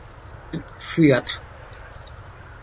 El Ft.